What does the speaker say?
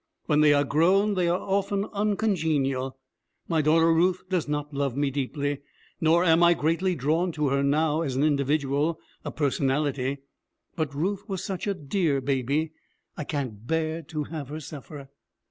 When they are grown they are often uncongenial. My daughter Ruth does not love me deeply, nor am I greatly drawn to her now, as an individual, a personality, but Ruth was such a dear baby! I can't bear to have her suffer.'